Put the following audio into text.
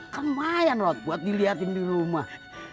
kan lumayan rod buat diliatin di rumah